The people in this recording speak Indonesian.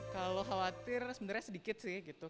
kalau khawatir sebenarnya sedikit sih gitu